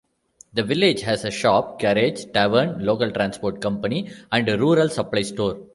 The village has a shop, garage, tavern, local transport company and rural supply store.